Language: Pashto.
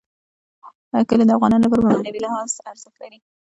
کلي د افغانانو لپاره په معنوي لحاظ ارزښت لري.